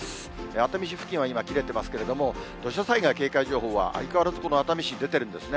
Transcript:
熱海市付近は今、切れてますけれども、土砂災害警戒情報は、相変わらずこの熱海市に出ているんですね。